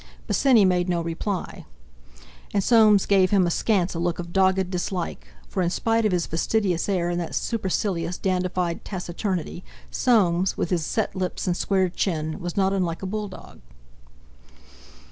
Bosinney made no reply. And Soames gave him askance a look of dogged dislike—for in spite of his fastidious air and that supercilious, dandified taciturnity, Soames, with his set lips and squared chin, was not unlike a bulldog....